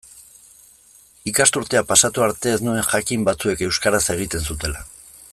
Ikasturtea pasatu arte ez nuen jakin batzuek euskaraz egiten zutela.